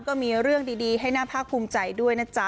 ก็มีเรื่องดีให้น่าภาคภูมิใจด้วยนะจ๊ะ